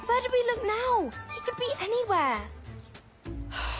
はあ。